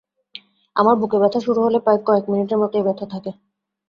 আমার বুকে ব্যথা শুরু হলে প্রায় কয়েক মিনিটের মত এই ব্যথা থাকে।